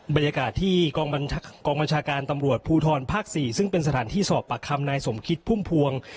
บรรยากาศที่กองบัญชาการตำรวจภูทรภาค๔ซึ่งเป็นสถานที่สอบปากคำนายสมคิดพุ่มพวง